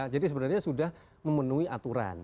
jadi sebenarnya sudah memenuhi aturan